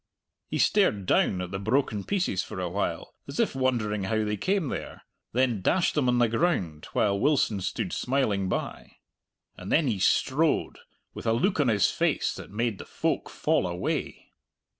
He stared down at the broken pieces for a while, as if wondering how they came there, then dashed them on the ground while Wilson stood smiling by. And then he strode with a look on his face that made the folk fall away.